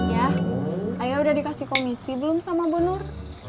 yah ayo udah dikasih komisi belum sama bu nur